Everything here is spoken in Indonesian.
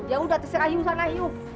ya udah terserah you sana you